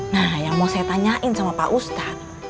nah yang mau saya tanyain sama pak ustadz